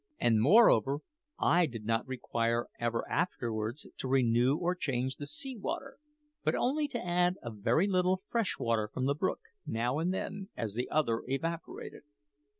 And, moreover, I did not require ever afterwards to renew or change the sea water, but only to add a very little fresh water from the brook, now and then, as the other evaporated.